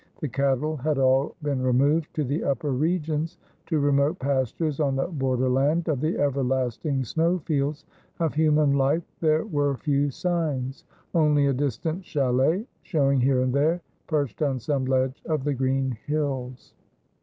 The cattle had all been removed to the upper regions, to remote pastures on the borderland of the everlasting snow fields ; of human life there were few signs ; only a distant chalet showing here and there, perched on some ledge of the green hills.